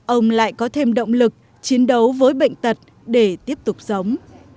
ông lại có thêm động lực chiến đấu với bệnh tật để tiếp tục sống